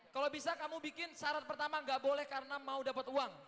kalau bisa kamu bikin syarat pertama nggak boleh karena mau dapat uang